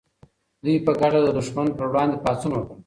دوی په ګډه د دښمن پر وړاندې پاڅون وکړ.